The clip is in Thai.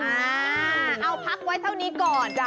เอาพักไว้เท่านี้ก่อน